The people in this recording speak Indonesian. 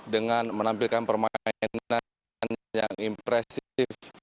dengan menampilkan permainan yang impresif